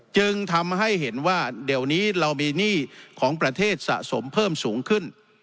จึงทำให้เห็นว่าเดี๋ยวนี้เรามีหนี้ของประเทศสะสมเพิ่มสูงขึ้น